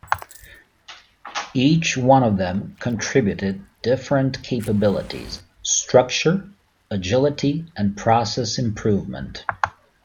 Each one of them contributed different capabilities: structure, agility and process improvement.